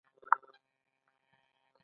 دښمن تل د بدو افکارو لاروي وي